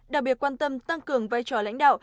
đặc biệt quan tâm tăng cường vai trò lãnh đạo